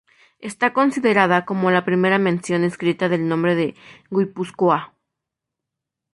Esta es considerada como la primera mención escrita del nombre de Guipúzcoa.